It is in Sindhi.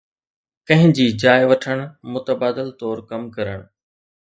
ڪنهن جي جاءِ وٺڻ ، متبادل طور ڪم ڪرڻ